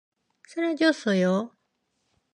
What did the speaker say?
사라졌어요.